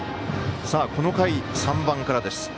この回、３番からです。